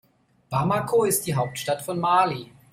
Bamako ist die Hauptstadt von Mali.